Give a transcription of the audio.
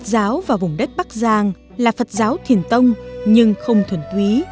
phật giáo vào vùng đất bắc giang là phật giáo thiền tông nhưng không thuần túy